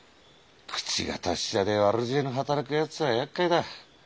口が達者で悪知恵の働くやつはやっかいだ。